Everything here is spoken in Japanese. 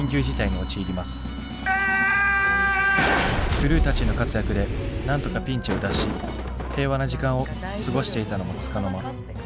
クルーたちの活躍でなんとかピンチを脱し平和な時間を過ごしていたのもつかの間。